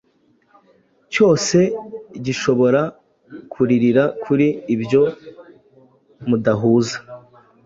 cyose gishobora kuririra kuri ibyo mudahuza